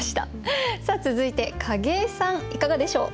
さあ続いて景井さんいかがでしょう？